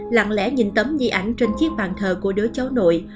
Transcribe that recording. lặng lẽ nhìn tấm di ảnh trên chiếc bàn thờ của đứa cháu nội